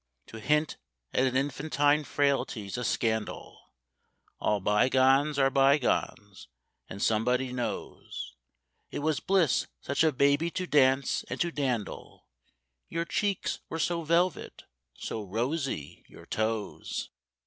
To hint at an infantine frailty's a scandal; All bye gones are bye gones—and somebody knows It was bliss such a baby to dance and to dandle, Your cheeks were so velvet—so rosy your toes.